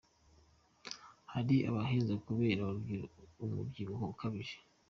Hari abahezwa kubera umubyibuho ukabije